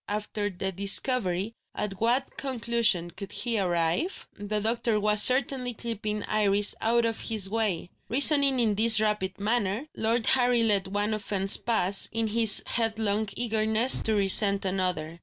After this discovery, at what conclusion could he arrive? The doctor was certainly keeping Iris out of his way. Reasoning in this rapid manner, Lord Harry let one offence pass, in his headlong eagerness to resent another.